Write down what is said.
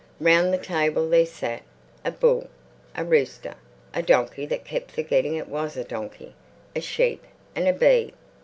Round the table there sat a bull, a rooster, a donkey that kept forgetting it was a donkey, a sheep and a bee.